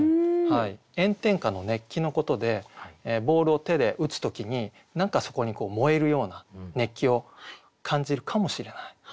炎天下の熱気のことでボールを手で打つ時に何かそこに燃えるような熱気を感じるかもしれない。